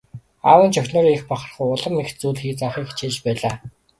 Аав нь ч охиноороо их бахархан улам их зүйл заахыг хичээж байлаа.